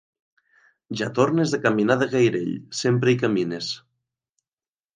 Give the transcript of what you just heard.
Ja tornes a caminar de gairell: sempre hi camines.